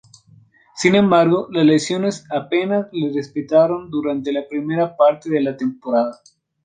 Sin embargo, las lesiones apenas le respetaron durante la primera parte de la temporada.